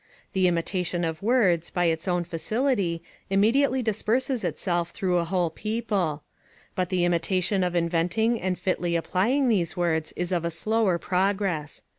The imitation of words, by its own facility, immediately disperses itself through a whole people; but the imitation of inventing and fitly applying those words is of a slower progress.